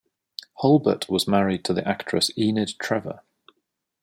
Hulbert was married to the actress Enid Trevor.